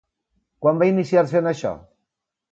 Quan va iniciar-se en això?